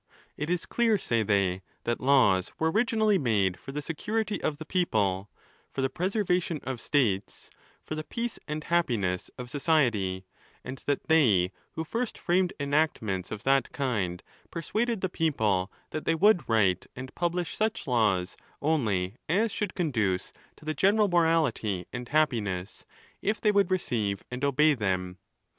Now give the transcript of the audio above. It is clear, say they, that laws were originally made for the security of the people, for the preservation of states, for the peace and happiness of society ; and that they who first framed enactments of that kind, per suaded the people that they would write and publish such laws only as should conduce to the general morality and hap piness, if they would receive and obey them.